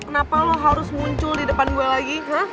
kenapa lo harus muncul di depan gue lagi